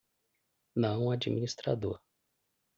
Não administrador